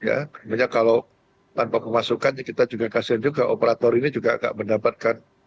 sebenarnya kalau tanpa pemasukan kita juga kasihan juga operator ini juga nggak mendapatkan